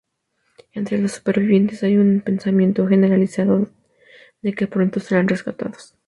Entre los supervivientes, hay una pensamiento generalizado de que pronto serán rescatados.